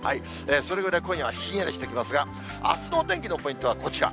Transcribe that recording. それぐらい、今夜はひんやりしてきますが、あすのお天気のポイントはこちら。